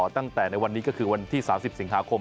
ในวันนี้ก็คือวันที่๓๐สิงหาคม